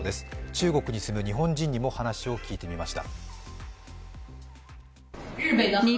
中国に住む日本人にも話を聞いてみました。